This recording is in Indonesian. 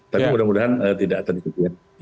tapi mudah mudahan tidak terjadi